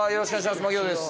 槙野です。